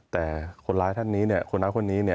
แต่คนร้ายท่านนี้คนร้ายคนนี้